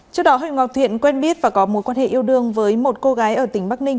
trước đó huỳnh ngọc thiện quen biết và có mối quan hệ yêu đương với một cô gái ở tỉnh bắc ninh